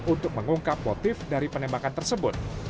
untuk mengungkap motif dari penembakan tersebut